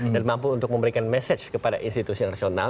dan mampu untuk memberikan mesej kepada institusi nasional